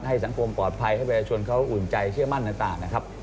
ให้สังคมปลอดภัยให้ประชาชนเขาอุ่นใจเชื่อมั่นต่างนะครับ